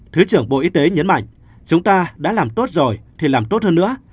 thứ trưởng bộ y tế nhấn mạnh chúng ta đã làm tốt rồi thì làm tốt hơn nữa